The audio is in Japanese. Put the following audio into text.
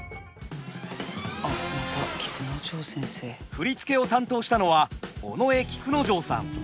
振り付けを担当したのは尾上菊之丞さん。